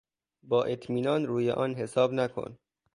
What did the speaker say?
با اطمینان روی آن حساب نکن.